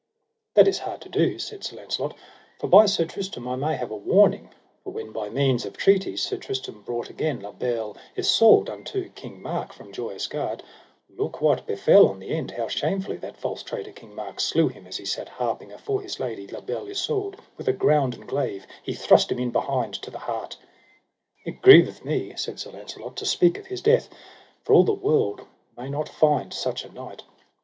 That is hard to do, said Sir Launcelot, for by Sir Tristram I may have a warning, for when by means of treaties, Sir Tristram brought again La Beale Isoud unto King Mark from Joyous Gard, look what befell on the end, how shamefully that false traitor King Mark slew him as he sat harping afore his lady La Beale Isoud, with a grounden glaive he thrust him in behind to the heart. It grieveth me, said Sir Launcelot, to speak of his death, for all the world may not find such a knight.